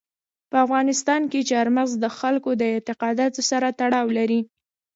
په افغانستان کې چار مغز د خلکو د اعتقاداتو سره تړاو لري.